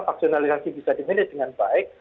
faksionalisasi bisa dimilih dengan baik